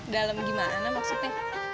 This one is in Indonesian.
dalem gimana maksudnya